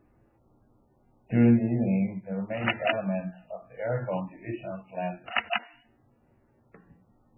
During the evening the remaining elements of the airborne divisions landed.